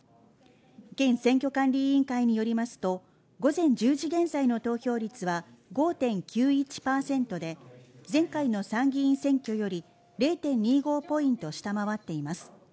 県選挙管理委員会によりますと、午前１０時現在の投票率は５．９１％で、前回の参議院選挙より０．２５ポイント下回っています。